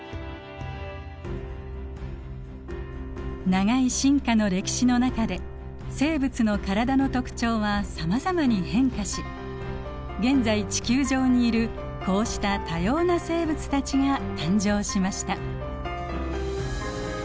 長い進化の歴史の中で生物の体の特徴はさまざまに変化し現在地球上にいるこうした多様な生物たちが誕生しました。